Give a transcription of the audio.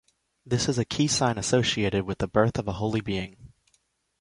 This is a key sign associated with the birth of a holy being.